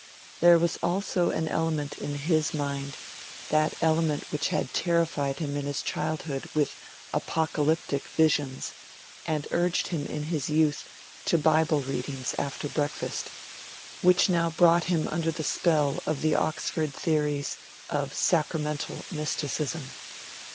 There was also an element in his mind that element which had terrified him in his childhood with Apocalyptic visions, and urged him in his youth to Bible readings after breakfast which now brought him under the spell of the Oxford theories of sacramental mysticism.